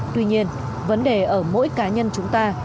tuy nhiên vấn đề ở mỗi cá nhân chúng ta